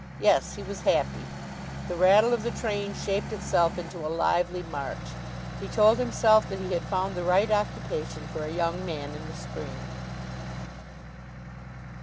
Yes; he was happy. The rattle of the train shaped itself into a lively march. He told himself that he had found the right occupation for a young man in the Spring.